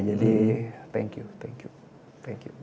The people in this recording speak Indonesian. jadi thank you thank you thank you